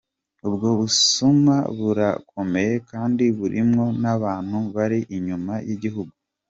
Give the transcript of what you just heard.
Ubwo busuma burakomeye kandi burimwo n'abantu bari inyuma y'igihugu.